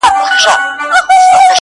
کوم ظالم رانه وژلې؛ د هنر سپینه ډېوه ده,